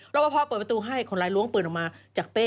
ประพอเปิดประตูให้คนร้ายล้วงปืนออกมาจากเป้